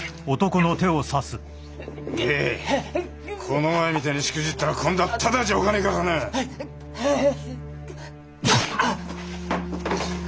この前みたいにしくじったら今度はただじゃおかねえからな！へへい！